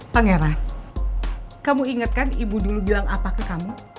pangeran kamu inget kan ibu dulu bilang apa ke kamu